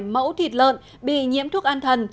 một mươi bảy mẫu thịt lợn bị nhiễm thuốc an thần